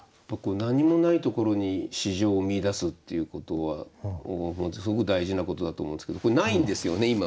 僕何もないところに詩情を見いだすっていうことはすごく大事なことだと思うんですけどこれないんですよね？